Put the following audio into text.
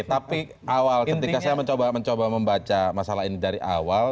tapi awal ketika saya mencoba membaca masalah ini dari awal